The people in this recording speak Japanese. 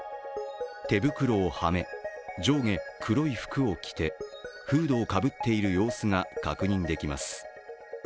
手袋をはめ、上下黒い服を着てフードをかぶっている様子が確認できます。